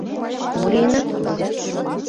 — Мо лийынат, Володя?